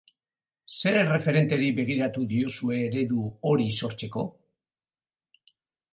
Zer erreferenteri begiratu diozue eredu hori sortzeko?